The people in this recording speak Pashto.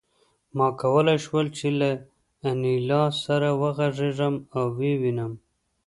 ما کولای شول چې له انیلا سره وغږېږم او ویې وینم